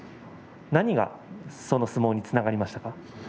何がその相撲につながりましたか？